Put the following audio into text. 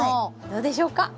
どうでしょうか？